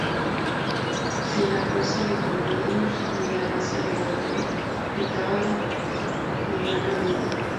Sin la fuerza de Cornelius ni la gracia de Overbeck, pintaba con gran habilidad.